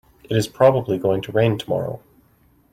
It is probably going to rain tomorrow.